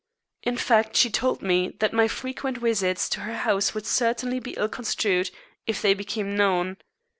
In fact, she told me that my frequent visits to her house would certainly be ill construed if they became known.